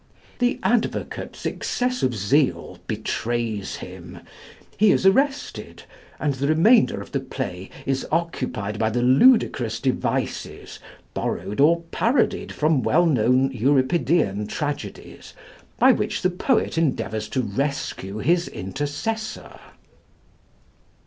The advocate's excess of zeal betrays him; he is arrested: and the remainder of the play is occupied by the ludicrous devices, borrowed or parodied from well known Euripidean tragedies, by which the poet endeavors to rescue his intercessor.